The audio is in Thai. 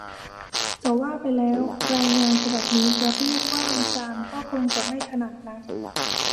จะว่าไปแล้ว รายงานฉบับนี้จะเรียกว่า วิจารณ์ ก็คงจะไม่ถนัดนัก